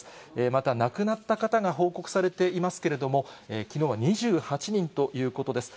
また亡くなった方が報告されていますけれども、きのうは２８人ということです。